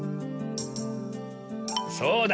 そうだ。